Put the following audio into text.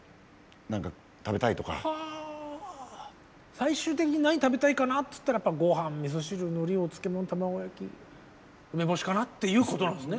最終的に何食べたいかなって言ったらごはん味汁海苔お漬物卵焼き梅干しかなっていうことなんですね。